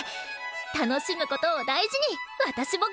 楽しむことを大事に私も頑張ろっと！